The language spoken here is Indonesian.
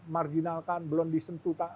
marjinalkan belum disentuh